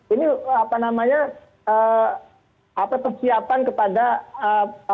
ini apa namanya apa persiapan kepada apa namanya